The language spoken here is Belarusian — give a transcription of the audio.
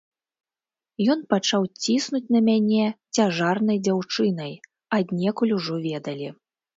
Ён пачаў ціснуць на мяне цяжарнай дзяўчынай, аднекуль ужо ведалі.